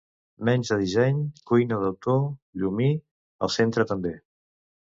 Menys de disseny, cuina d'autor, Llumí, al centre també.